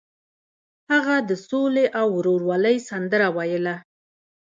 هغه د سولې او ورورولۍ سندره ویله.